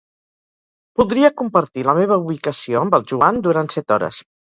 Voldria compartir la meva ubicació amb el Joan durant set hores.